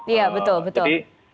iya betul betul